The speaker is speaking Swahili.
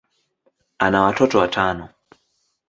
ana watoto watano.